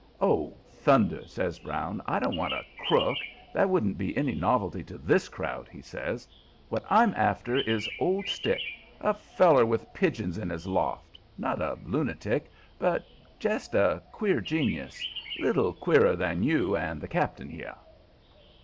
"Oh, thunder!" says Brown. "I don't want a crook; that wouldn't be any novelty to THIS crowd," he says. "What I'm after is an odd stick; a feller with pigeons in his loft. Not a lunatic, but jest a queer genius little queerer than you and the Cap'n here."